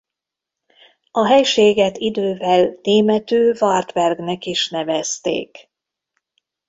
A helységet idővel németül Wartberg-nek is nevezték.